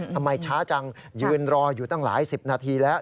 ทำไมช้าจังยืนรออยู่ตั้งหลายสิบนาทีแล้ว